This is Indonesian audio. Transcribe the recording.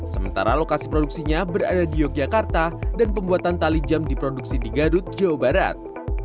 sementara lokasi produksinya berada di yogyakarta dan pembuatan tali jam diproduksi di garut jawa barat